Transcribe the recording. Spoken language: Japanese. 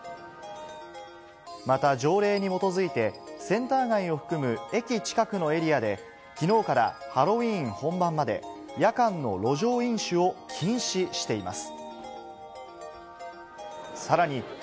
また条例に基づいて、センター街を含む駅近くのエリアで、きのうからハロウィーン本番まで、夜間の路上飲酒を禁止しています。